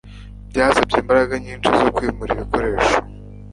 Byasabye imbaraga nyinshi zo kwimura ibikoresho.